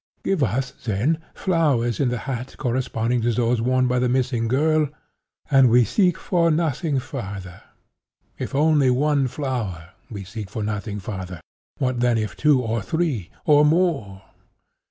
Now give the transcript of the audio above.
Give us, then, flowers in the hat corresponding to those worn by the missing girl, and we seek for nothing farther. If only one flower, we seek for nothing farther—what then if two or three, or more?